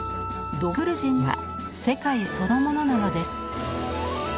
ドクルジンは世界そのものなのです。